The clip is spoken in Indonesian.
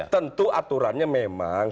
tentu aturannya memang